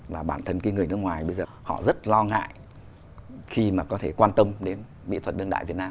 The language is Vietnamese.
và bản thân cái người nước ngoài bây giờ họ rất lo ngại khi mà có thể quan tâm đến mỹ thuật đương đại việt nam